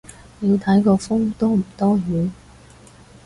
要睇個風多唔多雨